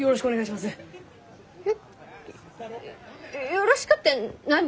「よろしく」って何？